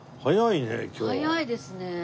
早いですね。